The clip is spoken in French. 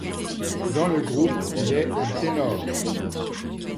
Dans le groupe, il est un ténor.